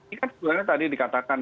ini kan sebenarnya tadi dikatakan